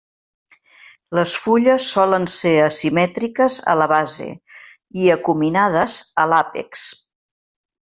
Les fulles solen ser asimètriques a la base i acuminades a l'àpex.